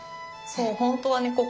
そう本当はね